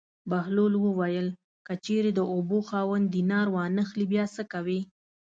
بهلول وویل: که چېرې د اوبو خاوند دینار وانه خلي بیا څه کوې.